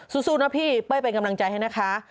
สู้นะพี่เป้ยเป็นกำลังใจให้นะคะ